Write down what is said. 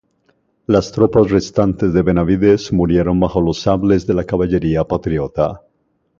Las tropas restantes de Benavides murieron bajo los sables de la caballería patriota.